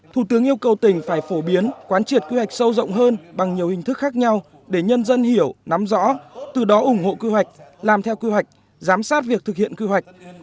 thủ tướng yêu cầu tỉnh phải phổ biến quán triệt kế hoạch sâu rộng hơn bằng nhiều hình thức khác nhau để nhân dân hiểu nắm rõ từ đó ủng hộ kế hoạch làm theo kế hoạch giám sát việc thực hiện quy hoạch